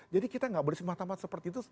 jadi kita gak boleh semata mata seperti itu